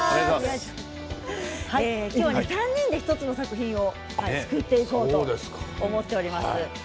今日は３人で１つの作品を作っていこうと思っております。